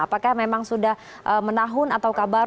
apakah memang sudah menahun atau kabar